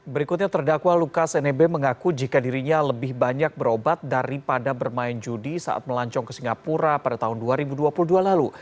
berikutnya terdakwa lukas nmb mengaku jika dirinya lebih banyak berobat daripada bermain judi saat melancong ke singapura pada tahun dua ribu dua puluh dua lalu